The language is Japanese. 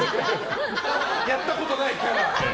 やったことないキャラ。